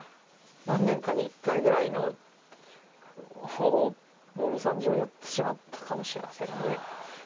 何年かに一回ぐらいの大見損じをやってしまったかもしれません。